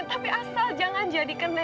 tapi asal jangan jadi kena